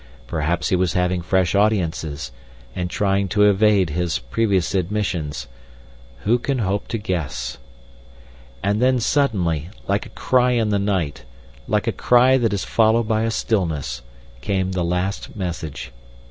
Perhaps he was having fresh audiences, and trying to evade his previous admissions. Who can hope to guess? And then suddenly, like a cry in the night, like a cry that is followed by a stillness, came the last message.